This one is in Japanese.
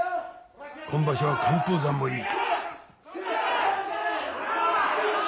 今場所は寒風山もいい。